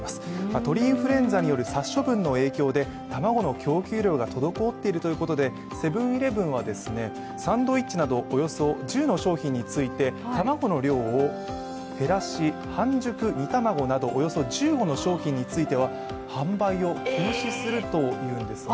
鳥インフルエンザによる殺処分の影響で卵の供給量が滞っているということでセブン−イレブンはサンドイッチなどおよそ１０の商品について卵の量を減らし、半熟煮たまごなどおよそ１５の商品については販売を休止するというんですね。